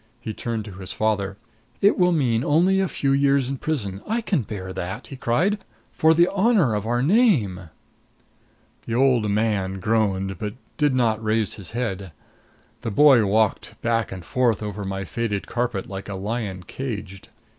He turned to his father. "It will mean only a few years in prison I can bear that!" he cried. "For the honor of our name!" The old man groaned, but did not raise his head. The boy walked back and forth over my faded carpet like a lion caged.